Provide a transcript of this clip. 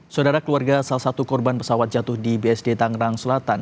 saudara keluarga salah satu korban pesawat jatuh di bsd tangerang selatan